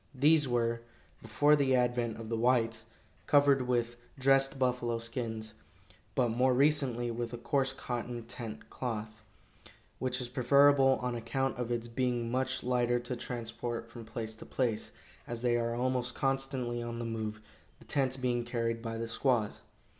These were, before the advent of the whites, covered with dressed buffalo skins, but more recently with a coarse cotton tent cloth, which is preferable on account of its being much lighter to transport from place to place, as they are almost constantly on the move, the tents being carried by the squaws.